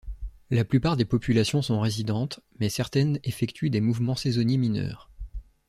La plupart des populations sont résidentes, mais certaines effectuent des mouvements saisonniers mineurs.